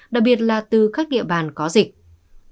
đặc biệt là từ các địa bàn có dịch